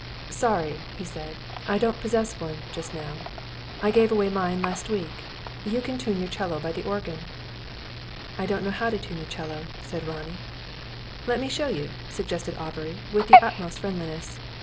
"Sorry," he said. "I don't possess one, just now. I gave away mine last week. You can tune your 'cello by the organ." "I don't know how to tune a 'cello," said Ronnie. "Let me show you," suggested Aubrey, with the utmost friendliness.